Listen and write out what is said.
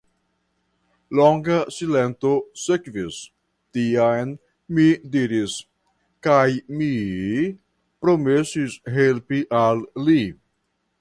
Longa silento sekvis, tiam mi diris:Kaj mi promesis helpi al li.